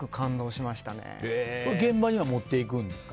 現場には持っていくんですか？